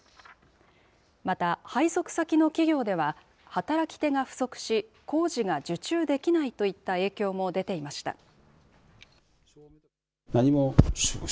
また配属先の企業では、働き手が不足し、工事が受注できないといった影響も出ていました。